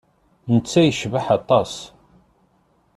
Netta yecbeḥ aṭas.